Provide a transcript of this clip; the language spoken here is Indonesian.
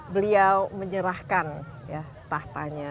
beliau menyerahkan tahtanya